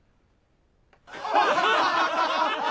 ハハハハ。